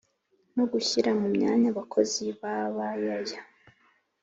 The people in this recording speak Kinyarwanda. no gushyira mu myanya abakozi baba yaya